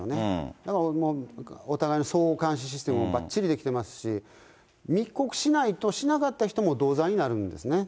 だからもうお互いに総監視システムもばっちりできていますし、密告しないと、しなかった人も同罪になるんですね。